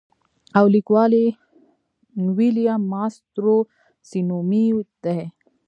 او ليکوال ئې William Mastrosimoneدے.